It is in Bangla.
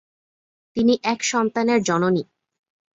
তিনি এক সন্তানের জননী।